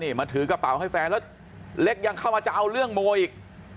นี่มาถือกระเป๋าให้แฟนแล้วเล็กยังเข้ามาจะเอาเรื่องโมอีก